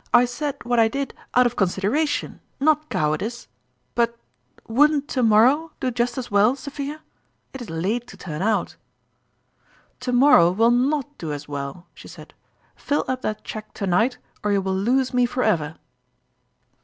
" I said what I did out of consideration, not cowardice. But wouldn't to morrow do just as well, Sophia ? It is late to turn out !"" To morrow will not do as well," she said :" fill up that cheque to night or you will lose me forever